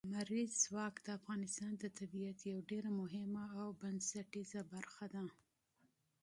لمریز ځواک د افغانستان د طبیعت یوه ډېره مهمه او بنسټیزه برخه ده.